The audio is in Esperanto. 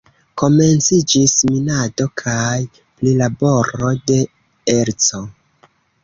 Komenciĝis minado kaj prilaboro de erco.